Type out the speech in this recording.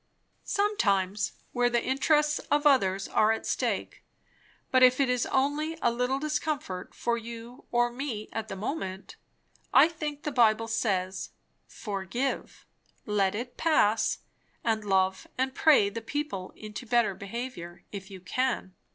"Sometimes, where the interests of others are at stake. But if it is only a little discomfort for you or me at the moment, I think the Bible says, Forgive, let it pass, and love and pray the people into better behaviour, if you can."